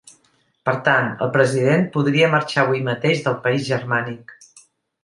Per tant, el president podria marxar avui mateix del país germànic.